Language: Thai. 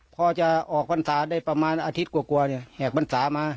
พอจะออกพรรษาได้ประมาณอาทิตย์กว่าแหกพรรษามา